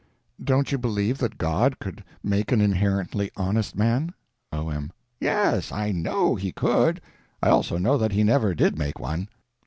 Don't you believe that God could make an inherently honest man? O.M. Yes, I know He could. I also know that He never did make one.